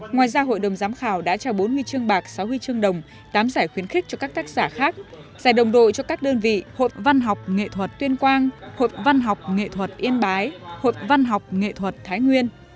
ngoài ra hội đồng giám khảo đã trao bốn huy chương bạc sáu huy chương đồng tám giải khuyến khích cho các tác giả khác giải đồng đội cho các đơn vị hội văn học nghệ thuật tuyên quang hội văn học nghệ thuật yên bái hội văn học nghệ thuật thái nguyên